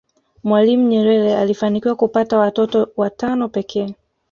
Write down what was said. mwalimu nyerere alifanikiwa kupata watotot watano pekee